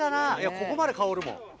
ここまで香るもん。